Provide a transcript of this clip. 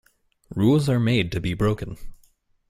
Rules are made to be broken.